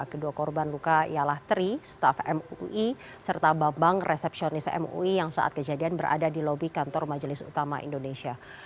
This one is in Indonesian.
kedua korban luka ialah tri staff mui serta bambang resepsionis mui yang saat kejadian berada di lobi kantor majelis utama indonesia